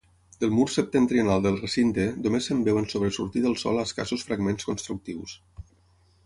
Del mur septentrional del recinte, només se'n veuen sobresortir del sòl escassos fragments constructius.